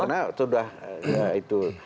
karena sudah itu